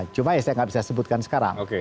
cuma ya saya nggak bisa sebutkan sekarang